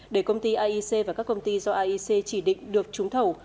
để công ty iec và các công ty do iec chỉ định được trúng thầu